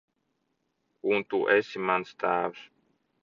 Un tu esi mans tēvs.